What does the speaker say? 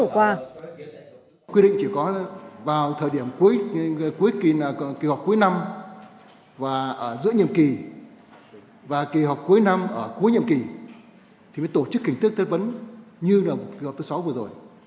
quyết định chỉ có vào thời điểm kỳ họp cuối năm và giữa nhiệm kỳ và kỳ họp cuối năm ở cuối nhiệm kỳ thì mới tổ chức kỳ thức chất vấn như kỳ họp thứ sáu vừa rồi